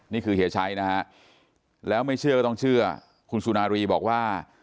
เฮียชัยนะฮะแล้วไม่เชื่อก็ต้องเชื่อคุณสุนารีบอกว่า